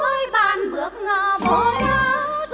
mới bàn bước vô nhau